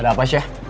ada apa syekh